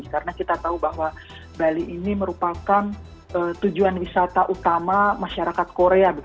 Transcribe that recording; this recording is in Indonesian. karena kita tahu bahwa bali ini merupakan tujuan wisata utama masyarakat korea